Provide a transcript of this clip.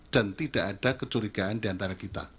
dan tidak ada kecurigaan diantara kita